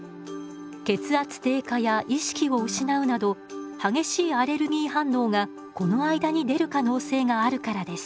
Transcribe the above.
血圧低下や意識を失うなど激しいアレルギー反応がこの間に出る可能性があるからです。